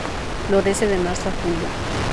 Florece de marzo a julio.